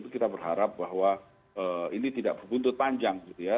kita berharap bahwa ini tidak berbuntut panjang gitu ya